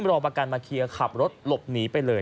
รอประกันมาเคลียร์ขับรถหลบหนีไปเลย